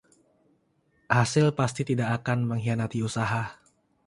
Hasil pasti tidak akang mengkhianati usaha.